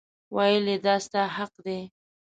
ویل یې دا ستا حق دی.